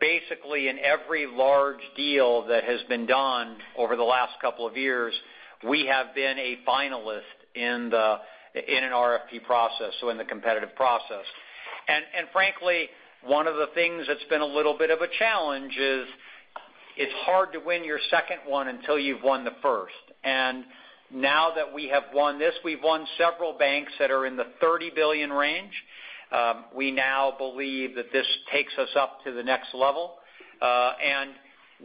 S3: basically in every large deal that has been done over the last couple of years, we have been a finalist in an RFP process, so in the competitive process. Frankly, one of the things that's been a little bit of a challenge is it's hard to win your second one until you've won the first. Now that we have won this, we've won several banks that are in the $30 billion range. We now believe that this takes us up to the next level.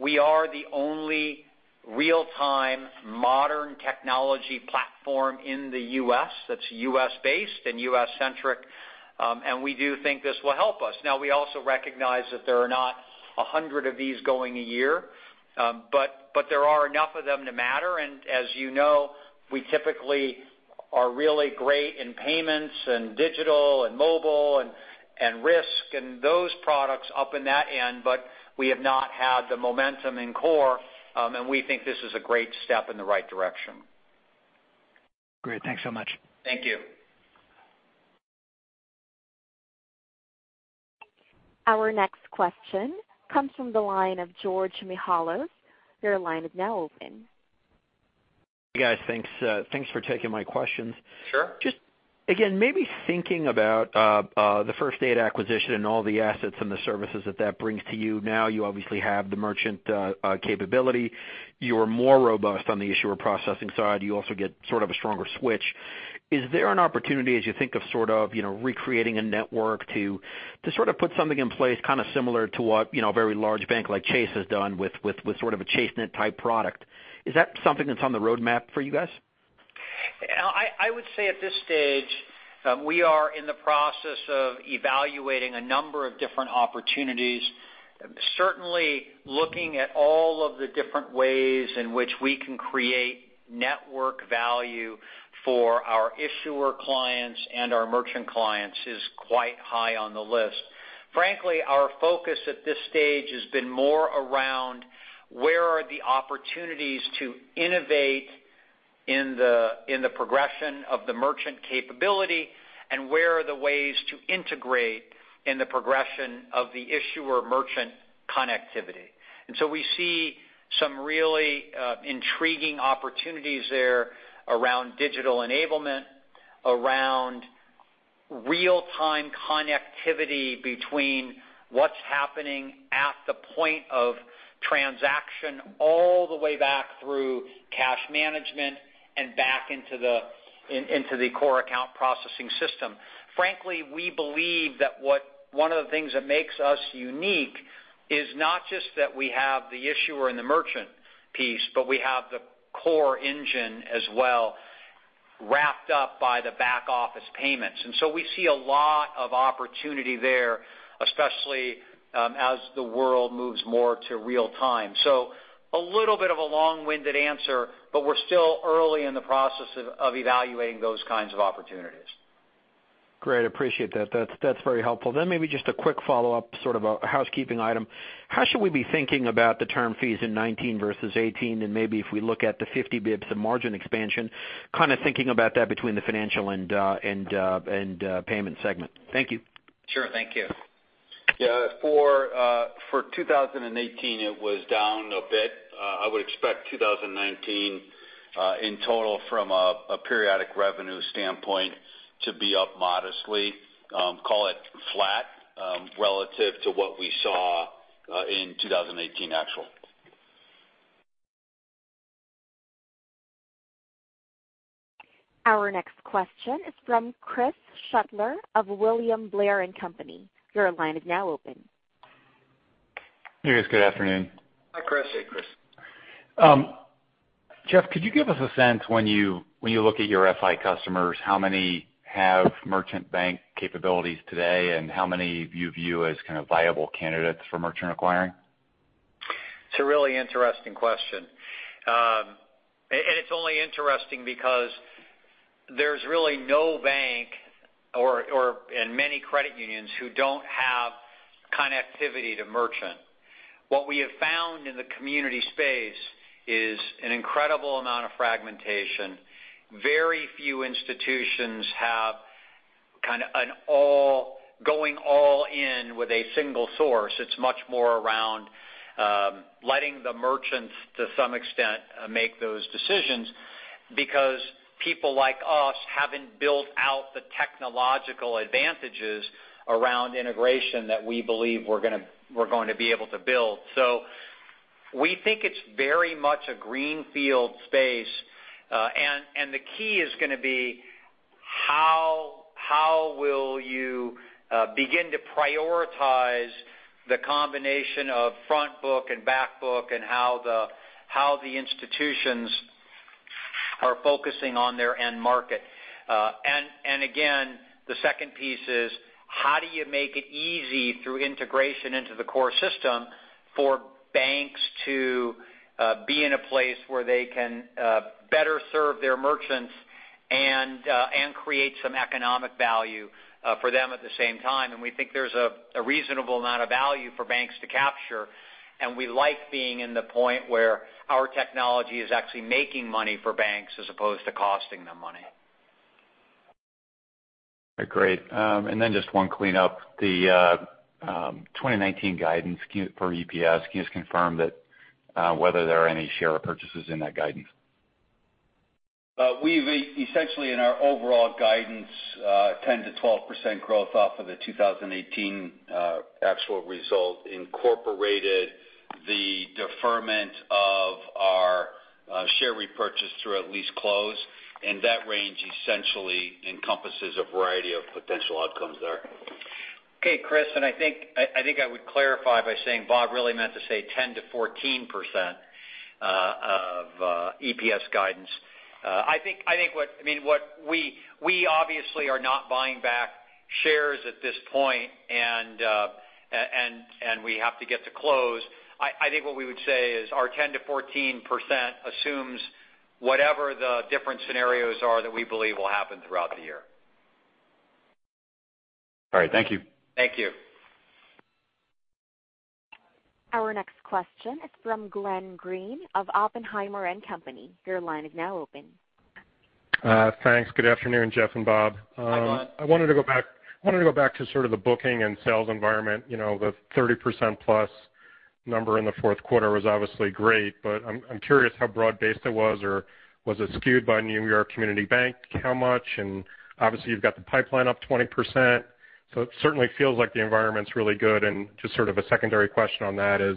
S3: We are the only real-time modern technology platform in the U.S. that's U.S.-based and U.S. centric, and we do think this will help us. We also recognize that there are not 100 of these going a year. There are enough of them to matter, and as you know, we typically are really great in payments and digital and mobile and risk and those products up in that end, but we have not had the momentum in core, and we think this is a great step in the right direction.
S9: Great. Thanks so much.
S3: Thank you.
S1: Our next question comes from the line of George Mihalos. Your line is now open.
S10: Hey, guys. Thanks for taking my questions.
S3: Sure.
S10: Again, maybe thinking about the First Data acquisition and all the assets and the services that that brings to you. Now you obviously have the merchant capability. You're more robust on the issuer processing side. You also get sort of a stronger switch. Is there an opportunity as you think of sort of recreating a network to sort of put something in place, kind of similar to what a very large bank like Chase has done with sort of a ChaseNet type product? Is that something that's on the roadmap for you guys?
S3: I would say at this stage, we are in the process of evaluating a number of different opportunities. Certainly, looking at all of the different ways in which we can create network value for our issuer clients and our merchant clients is quite high on the list. Frankly, our focus at this stage has been more around where are the opportunities to innovate in the progression of the merchant capability and where are the ways to integrate in the progression of the issuer-merchant connectivity. We see some really intriguing opportunities there around digital enablement, around real-time connectivity between what's happening at the point of transaction all the way back through cash management and back into the core account processing system. Frankly, we believe that one of the things that makes us unique is not just that we have the issuer and the merchant piece, but we have the core engine as well, wrapped up by the back-office payments. We see a lot of opportunity there, especially as the world moves more to real time. A little bit of a long-winded answer, but we're still early in the process of evaluating those kinds of opportunities.
S10: Great. Appreciate that. That's very helpful. Maybe just a quick follow-up, sort of a housekeeping item. How should we be thinking about the term fees in 2019 versus 2018? Maybe if we look at the 50 basis points of margin expansion, kind of thinking about that between the Financial and Payments segment. Thank you.
S3: Sure. Thank you.
S4: Yeah. For 2018, it was down a bit. I would expect 2019, in total from a periodic revenue standpoint to be up modestly. Call it flat relative to what we saw in 2018 actual.
S1: Our next question is from Cristopher Kennedy of William Blair & Company. Your line is now open.
S11: Hey, guys. Good afternoon.
S3: Hi, Chris.
S4: Hey, Chris.
S11: Jeff, could you give us a sense when you look at your FI customers, how many have merchant bank capabilities today, and how many you view as kind of viable candidates for merchant acquiring?
S3: It's a really interesting question. It's only interesting because there's really no bank and many credit unions who don't have connectivity to merchant. What we have found in the community space is an incredible amount of fragmentation. Very few institutions have kind of going all in with a single source. It's much more around letting the merchants, to some extent, make those decisions because people like us haven't built out the technological advantages around integration that we believe we're going to be able to build. We think it's very much a greenfield space. The key is going to be how will you begin to prioritize the combination of front book and back book and how the institutions are focusing on their end market. Again, the second piece is how do you make it easy through integration into the core system for banks to be in a place where they can better serve their merchants and create some economic value for them at the same time. We think there's a reasonable amount of value for banks to capture, and we like being in the point where our technology is actually making money for banks as opposed to costing them money.
S11: Great. Just one cleanup. The 2019 guidance for EPS. Can you just confirm whether there are any share repurchases in that guidance?
S4: We've essentially, in our overall guidance, 10%-12% growth off of the 2018 actual result, incorporated the deferment of our share repurchase through at least close. That range essentially encompasses a variety of potential outcomes there.
S3: Okay, Chris. I think I would clarify by saying Bob really meant to say 10%-14% of EPS guidance. We obviously are not buying back shares at this point, and we have to get to close. I think what we would say is our 10%-14% assumes whatever the different scenarios are that we believe will happen throughout the year.
S11: All right. Thank you.
S3: Thank you.
S1: Our next question is from Glenn Greene of Oppenheimer and Company. Your line is now open.
S12: Thanks. Good afternoon, Jeff and Bob.
S3: Hi, Glenn.
S12: I wanted to go back to sort of the booking and sales environment. The 30% plus number in the fourth quarter was obviously great, but I'm curious how broad-based it was, or was it skewed by New York Community Bank, how much? Obviously you've got the pipeline up 20%, so it certainly feels like the environment's really good. Just sort of a secondary question on that is,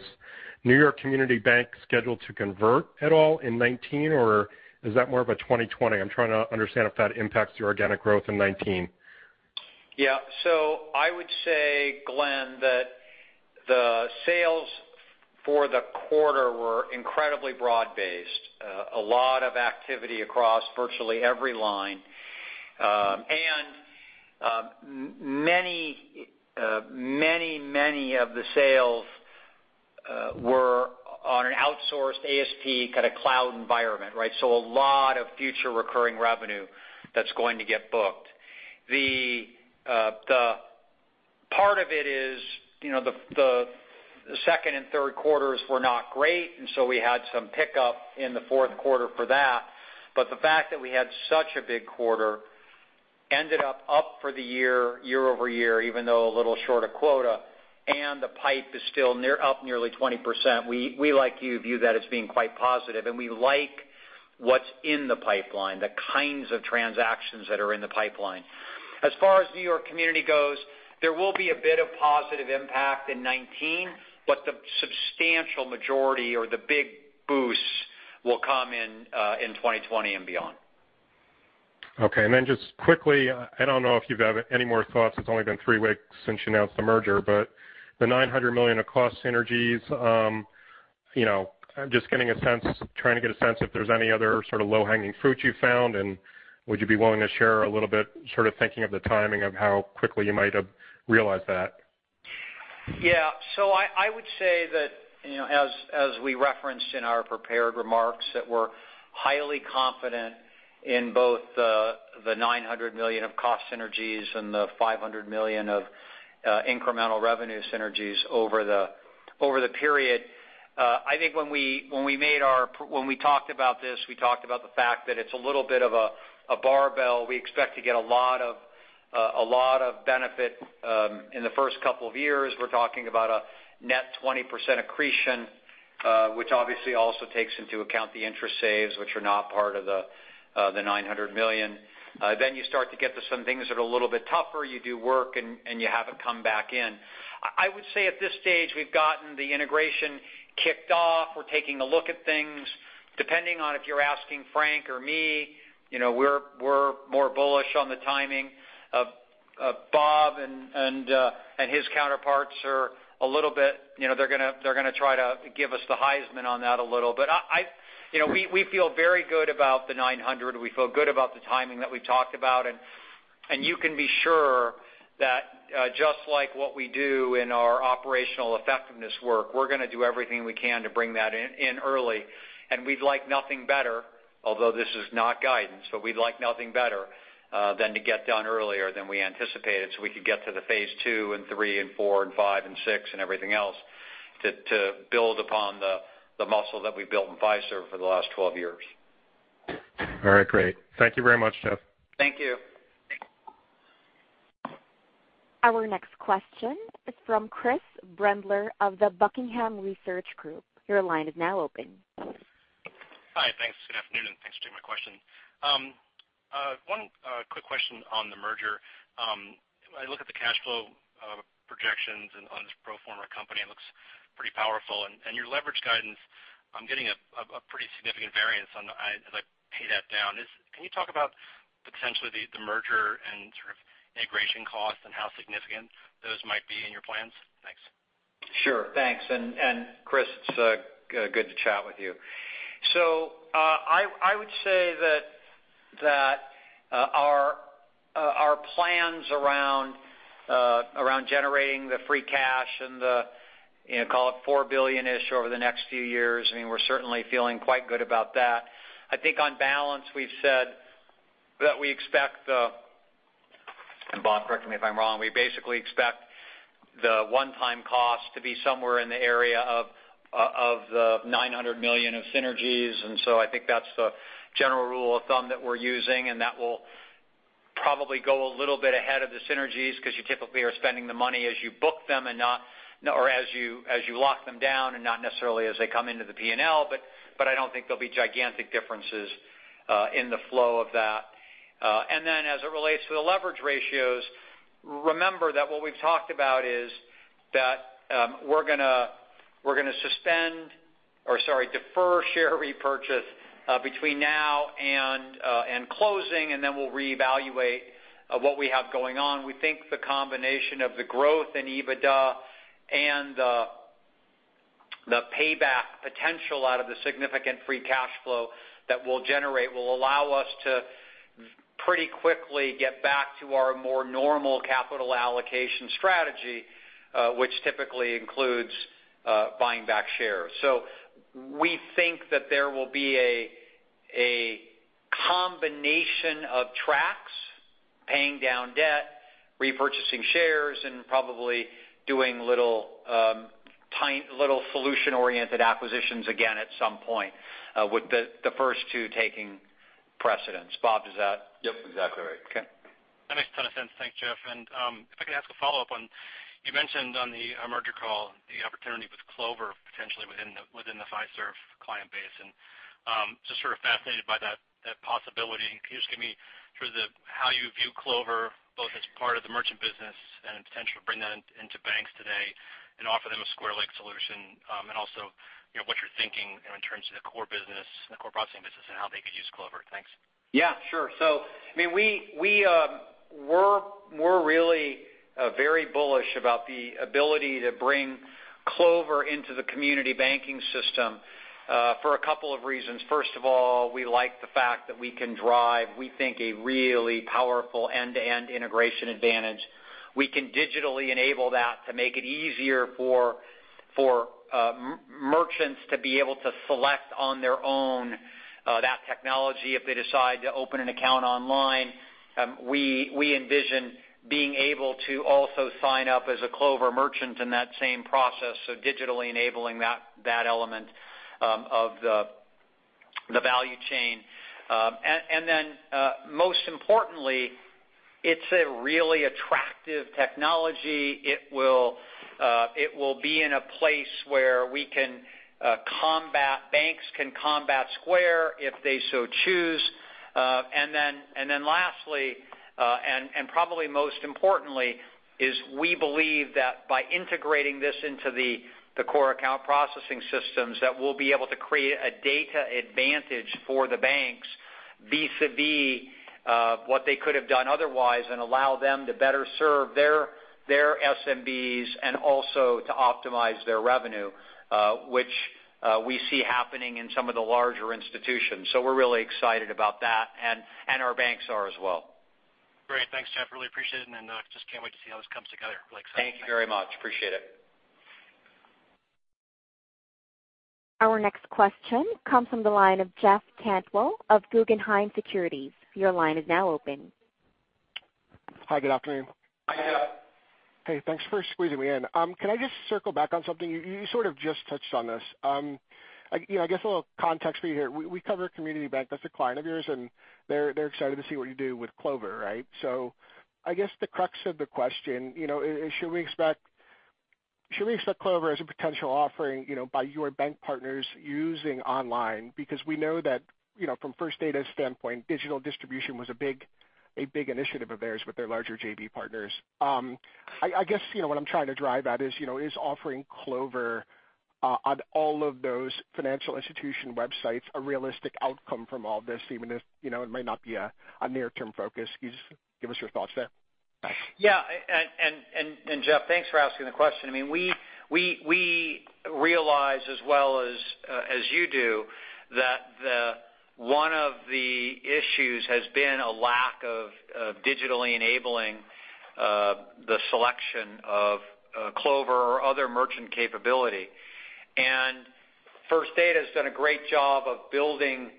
S12: New York Community Bank scheduled to convert at all in 2019, or is that more of a 2020? I'm trying to understand if that impacts your organic growth in 2019.
S3: I would say, Glenn, that the sales for the quarter were incredibly broad-based. A lot of activity across virtually every line. Many of the sales were on an outsourced ASP kind of cloud environment, right? A lot of future recurring revenue that's going to get booked. The part of it is, the second and third quarters were not great, and we had some pickup in the fourth quarter for that. The fact that we had such a big quarter ended up for the year-over-year, even though a little short of quota, and the pipe is still up nearly 20%. We, like you, view that as being quite positive, and we like what's in the pipeline, the kinds of transactions that are in the pipeline. As far as New York Community goes, there will be a bit of positive impact in 2019, the substantial majority or the big boosts will come in, 2020 and beyond.
S12: Just quickly, I don't know if you have any more thoughts. It's only been three weeks since you announced the merger, the $900 million of cost synergies, I'm just trying to get a sense if there's any other sort of low-hanging fruit you've found, would you be willing to share a little bit, sort of thinking of the timing of how quickly you might have realized that?
S3: I would say that, as we referenced in our prepared remarks, that we're highly confident in both the $900 million of cost synergies and the $500 million of incremental revenue synergies over the period. I think when we talked about this, we talked about the fact that it's a little bit of a barbell. We expect to get a lot of benefit in the first couple of years. We're talking about a net 20% accretion, which obviously also takes into account the interest saves, which are not part of the $900 million. You start to get to some things that are a little bit tougher. You do work and you have it come back in. I would say at this stage, we've gotten the integration kicked off. We're taking a look at things. Depending on if you're asking Frank or me, we're more bullish on the timing of Bob and his counterparts are a little. They're going to try to give us the Heisman on that a little. We feel very good about the $900. We feel good about the timing that we've talked about, you can be sure that just like what we do in our operational effectiveness work, we're going to do everything we can to bring that in early. We'd like nothing better, although this is not guidance, we'd like nothing better than to get done earlier than we anticipated so we could get to the phase II and III and IV and V and VI and everything else to build upon the muscle that we built in Fiserv for the last 12 years.
S12: All right. Great. Thank you very much, Jeff.
S3: Thank you.
S1: Our next question is from Chris Brendler of the Buckingham Research Group. Your line is now open.
S13: Hi. Thanks. Good afternoon, thanks for taking my question. One quick question on the merger. I look at the cash flow projections on this pro forma company. It looks pretty powerful. Your leverage guidance, I'm getting a pretty significant variance as I pay that down. Can you talk about potentially the merger and sort of integration costs and how significant those might be in your plans? Thanks.
S3: Sure. Thanks. Chris, it's good to chat with you. I would say that our plans around generating the free cash and the, call it $4 billion-ish over the next few years, I mean, we're certainly feeling quite good about that. I think on balance, we've said that we expect the Bob, correct me if I'm wrong. We basically expect the one-time cost to be somewhere in the area of the $900 million of synergies, I think that's the general rule of thumb that we're using, that will probably go a little bit ahead of the synergies because you typically are spending the money as you book them or as you lock them down and not necessarily as they come into the P&L, I don't think there'll be gigantic differences in the flow of that. As it relates to the leverage ratios, remember that what we've talked about is that we're going to suspend, or sorry, defer share repurchase between now and closing, we'll reevaluate what we have going on. We think the combination of the growth in EBITDA and the payback potential out of the significant free cash flow that we'll generate will allow us to pretty quickly get back to our more normal capital allocation strategy, which typically includes buying back shares. We think that there will be a combination of tracks, paying down debt, repurchasing shares, and probably doing little solution-oriented acquisitions again at some point, with the first two taking precedence. Bob, is that...
S4: Yep, exactly right. Okay.
S13: That makes a ton of sense. Thanks, Jeff. If I could ask a follow-up on, you mentioned on the merger call the opportunity with Clover potentially within the Fiserv client base, and just sort of fascinated by that possibility. Can you just give me sort of how you view Clover, both as part of the merchant business and potentially bring that into banks today and offer them a Square-like solution? Also, what you're thinking in terms of the core business, the core processing business, and how they could use Clover. Thanks.
S3: Yeah, sure. We're really very bullish about the ability to bring Clover into the community banking system for a couple of reasons. First of all, we like the fact that we can drive, we think, a really powerful end-to-end integration advantage. We can digitally enable that to make it easier for merchants to be able to select on their own that technology if they decide to open an account online. We envision being able to also sign up as a Clover merchant in that same process, so digitally enabling that element of the value chain. Then, most importantly, it's a really attractive technology. It will be in a place where banks can combat Square if they so choose. Then lastly, and probably most importantly, is we believe that by integrating this into the core account processing systems, that we'll be able to create a data advantage for the banks vis-a-vis what they could have done otherwise and allow them to better serve their SMBs and also to optimize their revenue, which we see happening in some of the larger institutions. We're really excited about that, and our banks are as well.
S13: Great. Thanks, Jeff. Really appreciate it, just can't wait to see how this comes together. Really excited. Thanks.
S3: Thank you very much. Appreciate it.
S1: Our next question comes from the line of Jeff Cantwell of Guggenheim Securities. Your line is now open.
S14: Hi, good afternoon.
S3: Hi, Jeff.
S14: Hey, thanks for squeezing me in. Can I just circle back on something? You sort of just touched on this. I guess a little context for you here. We cover a community bank that's a client of yours, and they're excited to see what you do with Clover, right? I guess the crux of the question, should we expect Clover as a potential offering by your bank partners using online? Because we know that from First Data's standpoint, digital distribution was a big initiative of theirs with their larger JV partners. I guess what I'm trying to drive at is offering Clover on all of those financial institution websites a realistic outcome from all this, even if it may not be a near-term focus? Can you just give us your thoughts there?
S3: Yeah. Jeff, thanks for asking the question. We realize as well as you do that one of the issues has been a lack of digitally enabling the selection of Clover or other merchant capability. First Data's done a great job of building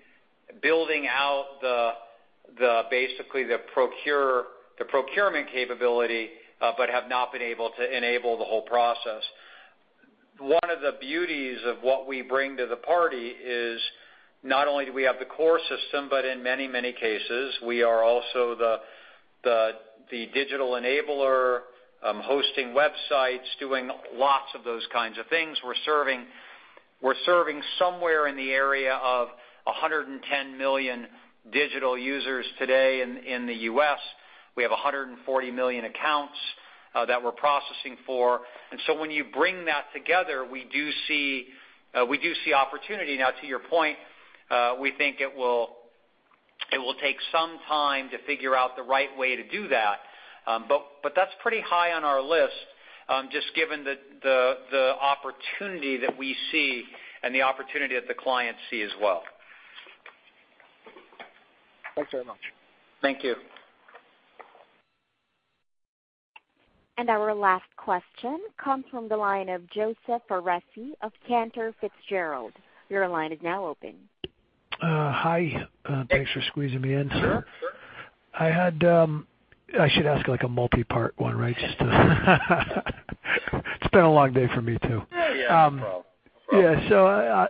S3: out basically the procurement capability but have not been able to enable the whole process. One of the beauties of what we bring to the party is not only do we have the core system, but in many cases, we are also the digital enabler, hosting websites, doing lots of those kinds of things. We're serving somewhere in the area of 110 million digital users today in the U.S. We have 140 million accounts that we're processing for. When you bring that together, we do see opportunity. Now to your point, we think it will take some time to figure out the right way to do that. That's pretty high on our list, just given the opportunity that we see and the opportunity that the clients see as well.
S14: Thanks very much.
S3: Thank you.
S1: Our last question comes from the line of Joseph Foresi of Cantor Fitzgerald. Your line is now open.
S15: Hi, thanks for squeezing me in, sir.
S3: Sure.
S15: I should ask a multi-part one, right? It's been a long day for me too.
S3: Yeah, no problem.
S15: Yeah.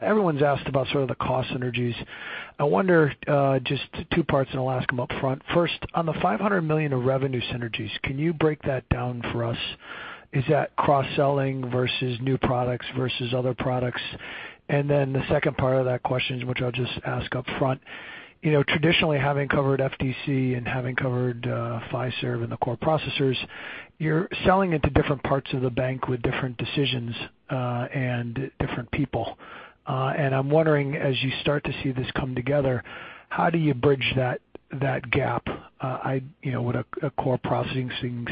S15: Everyone's asked about sort of the cost synergies. I wonder just two parts, and I'll ask them upfront. First, on the $500 million of revenue synergies, can you break that down for us? Is that cross-selling versus new products versus other products? The second part of that question, which I'll just ask upfront. Traditionally, having covered FDC and having covered Fiserv and the core processors, you're selling into different parts of the bank with different decisions and different people. I'm wondering, as you start to see this come together, how do you bridge that gap? Would a core processing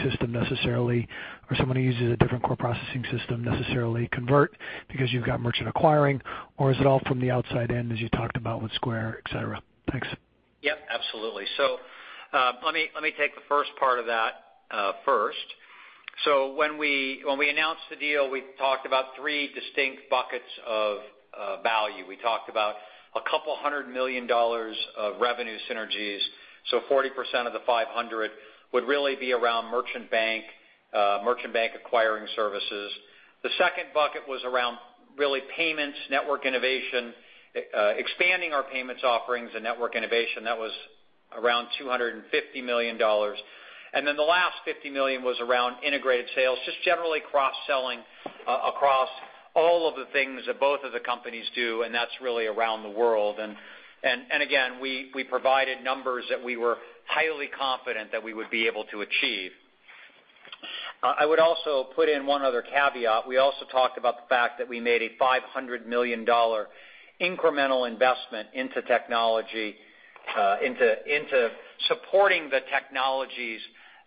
S15: system necessarily or somebody who uses a different core processing system necessarily convert because you've got merchant acquiring, or is it all from the outside in as you talked about with Square, et cetera? Thanks.
S3: Yep, absolutely. Let me take the first part of that first. When we announced the deal, we talked about three distinct buckets of value. We talked about a couple hundred million dollars of revenue synergies. 40% of the $500 million would really be around merchant bank acquiring services. The second bucket was around really payments, network innovation, expanding our payments offerings and network innovation. That was around $250 million. The last $50 million was around integrated sales, just generally cross-selling across all of the things that both of the companies do, and that's really around the world. Again, we provided numbers that we were highly confident that we would be able to achieve. I would also put in one other caveat. We also talked about the fact that we made a $500 million incremental investment into supporting the technologies,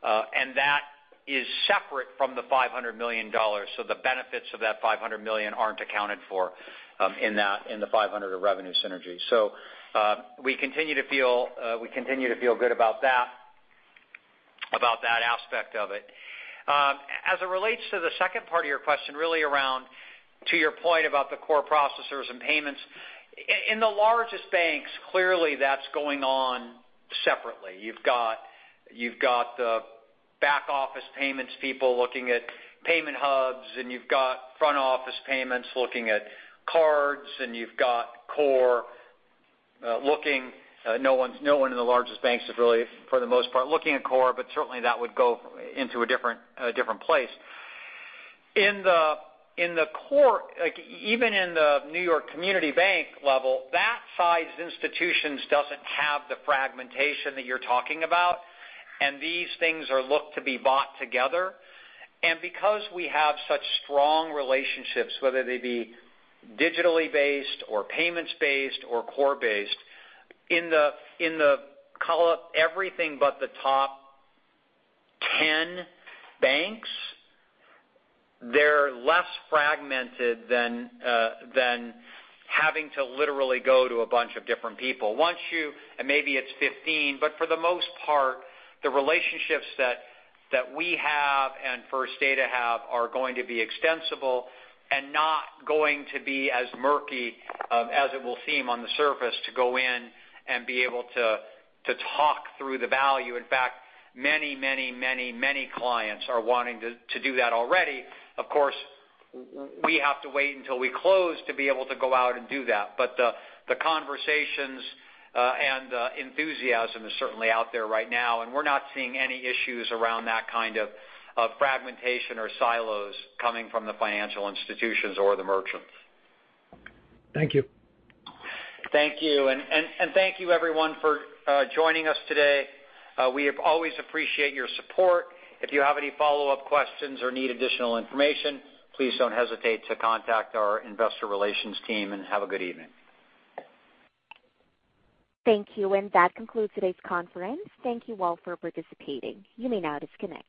S3: and that is separate from the $500 million. The benefits of that $500 million aren't accounted for in the $500 million of revenue synergy. We continue to feel good about that aspect of it. As it relates to the second part of your question, really around to your point about the core processors and payments. In the largest banks, clearly that's going on separately. You've got the back-office payments people looking at payment hubs, and you've got front-office payments looking at cards, and you've got core looking. No one in the largest banks is really, for the most part, looking at core, but certainly that would go into a different place. Even in the New York Community Bank level, that size institutions doesn't have the fragmentation that you're talking about, these things are looked to be bought together. Because we have such strong relationships, whether they be digitally based or payments based or core based, in the call it everything but the top 10 banks, they're less fragmented than having to literally go to a bunch of different people. Maybe it's 15, but for the most part, the relationships that we have and First Data have are going to be extensible and not going to be as murky as it will seem on the surface to go in and be able to talk through the value. In fact, many clients are wanting to do that already. Of course, we have to wait until we close to be able to go out and do that. The conversations and enthusiasm is certainly out there right now, and we're not seeing any issues around that kind of fragmentation or silos coming from the financial institutions or the merchants.
S15: Thank you.
S3: Thank you. Thank you everyone for joining us today. We always appreciate your support. If you have any follow-up questions or need additional information, please don't hesitate to contact our investor relations team, and have a good evening.
S1: Thank you. That concludes today's conference. Thank you all for participating. You may now disconnect.